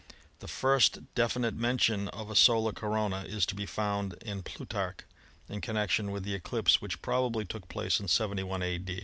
The first definite mention of a solar corona is to be found in Plutarch, in connection with the eclipse which probably took place in 71 a.